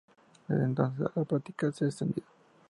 Desde entonces la práctica se ha extendido.